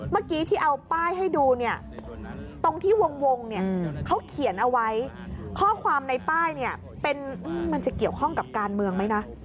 เมื่อกี้ที่เอาป้ายให้ดูเนี่ยตรงที่วงเนี่ยเขาเขียนเอาไว้ข้อความในป้ายเนี่ยมันจะเกี่ยวข้องกับการเมืองไหมนะ